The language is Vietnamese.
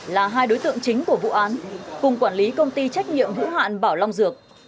là hai đối tượng chính của vụ án cùng quản lý công ty trách nhiệm hữu hạn bảo long dược